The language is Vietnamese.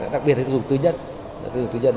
đặc biệt là tiêu dùng tư nhân